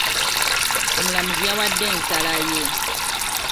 Omulamuzi yawadde ensala ye.